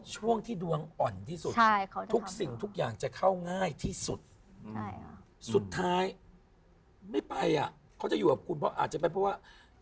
ช่วงที่ดวงอ่อนที่สุดทุกสิ่งทุกอย่างจะเข้าง่ายที่สุดสุดท้ายไม่ไปอ่ะเขาจะอยู่กับคุณเพราะอาจจะเป็นเพราะว่า